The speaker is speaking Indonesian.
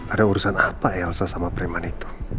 ada urusan apa elsa sama preman itu